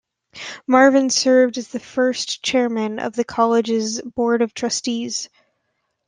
Marvin served as the first chairman of the college's Board of Trustees.